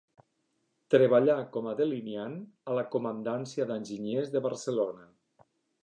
Treballà com a delineant a la Comandància d'Enginyers de Barcelona.